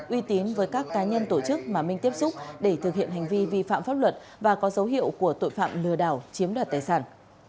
uy tín với các cá nhân tổ chức mà minh tiếp xúc để thực hiện hành vi vi phạm pháp luật và có dấu hiệu của tội phạm lừa đảo chiếm đoạt tài sản